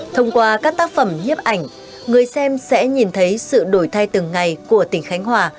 thông qua các tác phẩm nhiếp ảnh người xem sẽ nhìn thấy sự đổi thay từng ngày của tỉnh khánh hòa